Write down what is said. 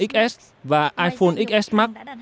iphone xs và iphone xs max